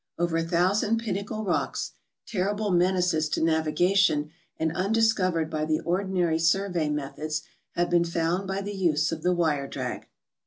Over a thousand pinnacle rocks, terrible menaces to navigation and undis covered by the ordinary survey methods, have been found by the use of the wire drag.